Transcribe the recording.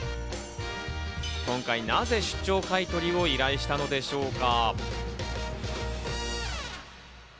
今回、なぜ出張買い取りを依頼したのでしょうか。